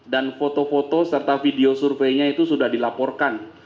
dan foto foto serta video surveinya itu sudah dilaporkan